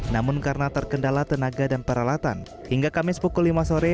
namun karena terkendala tenaga dan peralatan hingga kamis pukul lima sore